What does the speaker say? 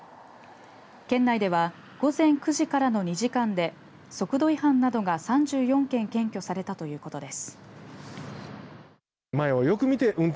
県内では午前９時からの２時間で速度違反などが３４件検挙されたということです。